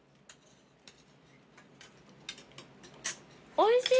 おいしい！